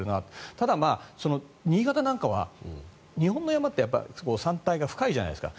ただ、新潟なんかは日本の山って山体が深いじゃないですか。